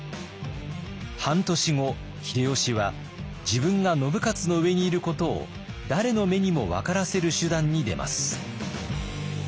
半年後秀吉は自分が信雄の上にいることを誰の目にも分からせる手段に出ます。